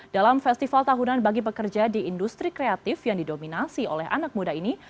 dalam festival tahunan bagi pekerja di industri kreatif yang didominasi oleh anak muda ini